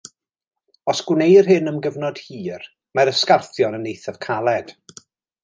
Os gwneir hyn am gyfnod hir, mae'r ysgarthion yn eithaf caled.